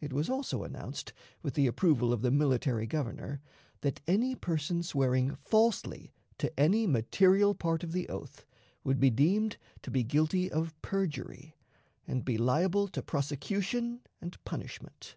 It was also announced, with the approval of the military Governor, that any person swearing falsely to any material part of the oath would be deemed to be guilty of perjury, and be liable to prosecution and punishment.